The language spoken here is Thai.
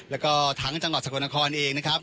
แล้วก็ทั้งจังหวัดสกลนครเองนะครับ